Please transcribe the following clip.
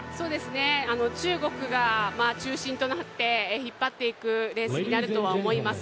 中国が中心となって引っ張っていくレースになるとは思います。